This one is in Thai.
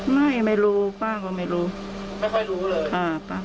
คุณไม่รู้แบบว่าไม่รู้ไม่รู้เลยนะ